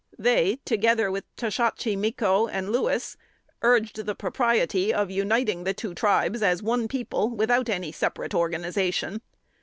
They, together with "Toshatchee Mieco" and "Lewis," urged the propriety of uniting the two tribes as one people, without any separate organization.